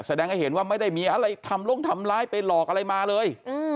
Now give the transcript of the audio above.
แสดงให้เห็นว่าไม่ได้มีอะไรทำลงทำร้ายไปหลอกอะไรมาเลย